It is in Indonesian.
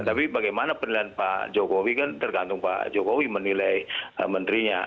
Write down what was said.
tapi bagaimana penilaian pak jokowi kan tergantung pak jokowi menilai menterinya